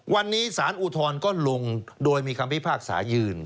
วันนี้สารอุทธรณ์ก็ลงโดยมีคำพิพากษายืน